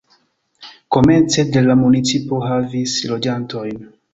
Komence de la municipo havis loĝantojn.